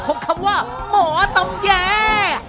ของคำว่าหมอตำแหย่